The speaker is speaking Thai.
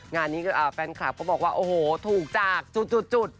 งานนี้แฟนคลับก็บอกว่าโอ้โหถูกจากจุด